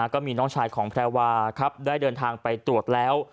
ก็มีน้องชายของแพรวาได้เดินทางไปตรวจแล้ว